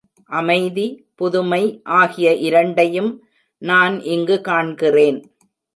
அமைதி, புதுமை ஆகிய இரண்டையும் நான் இங்கு காண்கிறேன்.